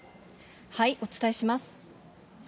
お伝えします。